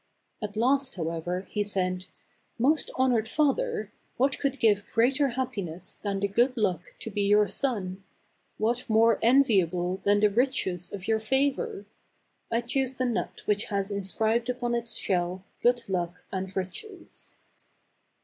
At last, however, he said, "Most honored father, what could give greater happiness than the ' Good Luck ' to be your son ? What more enviable than the 1 Riches 9 of your favor ? I choose the nut which has inscribed upon its shell 1 Good Luck and Riches.